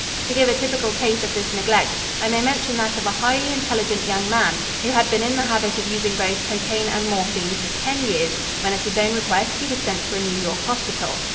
To give a typical case of this neglect I may mention that of a highly intelligent young man who had been in the habit of using both cocaine and morphine for ten years when at his own request he was sent to a New York hospital.